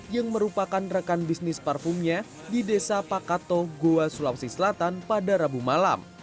yang merupakan rekan bisnis parfumnya di desa pakato goa sulawesi selatan pada rabu malam